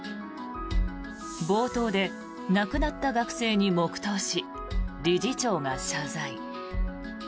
冒頭で亡くなった学生に黙祷し理事長が謝罪。